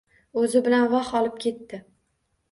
O’zi bilan, voh, olib ketdi…